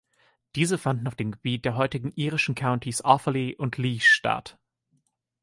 Diese fanden auf dem Gebiet der heutigen irischen Countys Offaly und Laois statt.